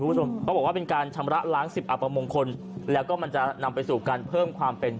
เขาบอกว่าเป็นการชำระล้างสิบอัปมงคลแล้วก็มันจะนำไปสู่การเพิ่มความเป็น